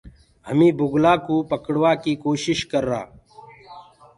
همي بُگلآ ڪوُ پڙوآ ڪيٚ ڪوشش ڪرآ۔